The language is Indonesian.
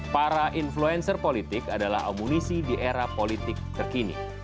para influencer politik adalah amunisi di era politik terkini